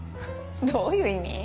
どういう意味？